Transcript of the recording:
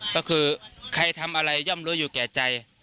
ก็คือใครทำอะไรย่อมรู้อยู่แก่ใจ